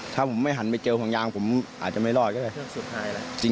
ถ้าผมไม่หันไปเจอผ่องยางผมอาจจะไม่รอดก็ได้